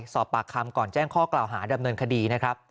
สอบปากคำก่อนแจ้งข้อกล่าวหาดำเนินคดีนะครับ